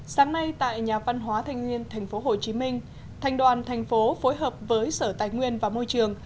sáng nay tại nhà văn hóa thanh niên tp hcm thành đoàn thành phố phối hợp với sở tài nguyên và môi trường